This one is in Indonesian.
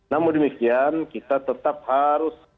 namun demikian kita tetap harus